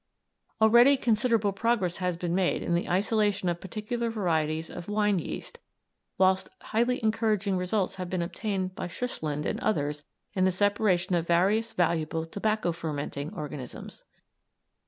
Already considerable progress has been made in the isolation of particular varieties of wine yeast, whilst highly encouraging results have been obtained by Suchsland and others in the separation of various valuable tobacco fermenting organisms.